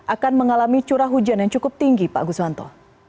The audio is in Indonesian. akan mengalami curah hujan yang cukup tinggi pak guswanto